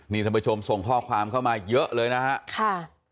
นี่ท่านผู้ชมส่งข้อความเข้ามาเยอะเลยนะครับ